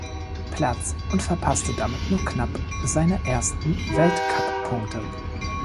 Platz und verpasste damit nur knapp seine ersten Weltcuppunkte.